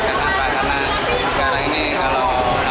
karena sekarang ini kalau masyarakat masih digubahnya oleh